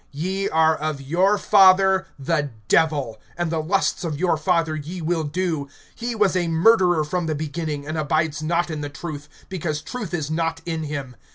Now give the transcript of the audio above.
(44)Ye are of your father the Devil, and the lusts of your father ye will do. He was a murderer from the beginning, and abides not in the truth, because truth is not in him.